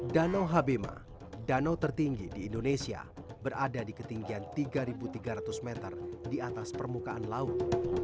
danau habema danau tertinggi di indonesia berada di ketinggian tiga tiga ratus meter di atas permukaan laut